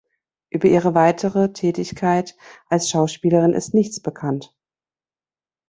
Über ihre weitere Tätigkeit als Schauspielerin ist nichts bekannt.